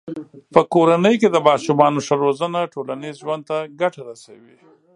په کورنۍ کې د ماشومانو ښه روزنه ټولنیز ژوند ته ګټه رسوي.